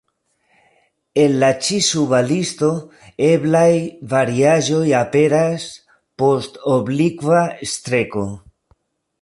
En la ĉi-suba listo eblaj variaĵoj aperas post oblikva streko.